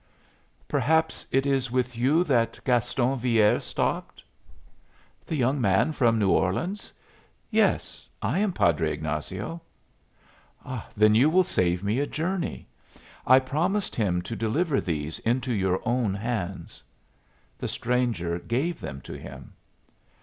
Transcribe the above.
"Perhaps it is with you that Gaston Villere stopped?" "The young man from New Orleans? Yes. I am Padre Ignazio." "Then you will save me a journey. I promised him to deliver these into your own hands." The stranger gave them to him.